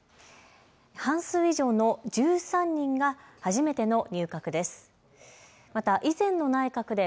半数以上の１３人が初めての入閣です。